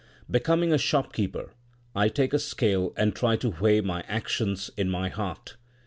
Becoming a shopkeeper I take a scale and try to weigh my actions in my heart.